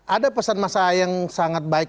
ada pesan masa yang sangat baik